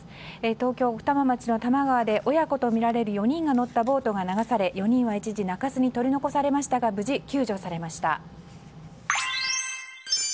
東京・奥多摩の多摩川で親子とみられる４人が乗ったボートが流され４人は一時中州に取り残されましたが無事、救助されました。